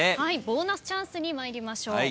ボーナスチャンスに参りましょう。